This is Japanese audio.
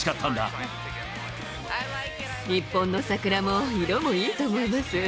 日本の桜も色もいいと思います。